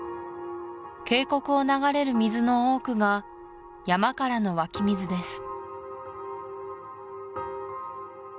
渓谷を流れる水の多くが山からの湧き水です